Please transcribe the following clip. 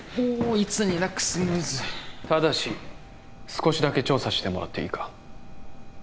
いつになくスムーズただし少しだけ調査してもらっていいか？